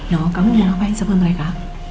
no kamu ngapain sama mereka